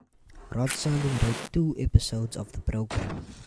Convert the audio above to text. Rod Serling wrote two episodes of the program.